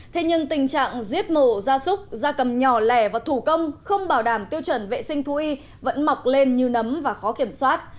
thế nhưng tình trạng giết mổ da súc da cầm nhỏ lẻ và thủ công không bảo đảm tiêu chuẩn vệ sinh thú y vẫn mọc lên như nấm và khó kiểm soát